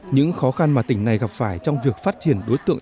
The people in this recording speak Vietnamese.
những khó khăn mà tỉnh này gặp phải trong việc phát triển đối tượng